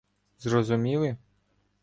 Зрозуміли?